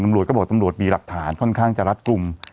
ตำรวจก็บอกตำรวจมีหลักฐานค่อนข้างจะรัดกลุ่ม